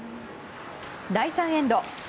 第３エンド。